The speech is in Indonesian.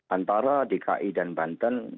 antara dki dan banten